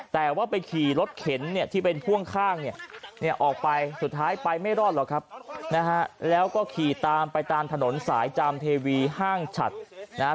แต่ว่าไปขี่รถเข็นเนี่ยที่เป็นพ่วงข้างเนี่ยออกไปสุดท้ายไปไม่รอดหรอกครับนะฮะแล้วก็ขี่ตามไปตามถนนสายจามเทวีห้างฉัดนะฮะ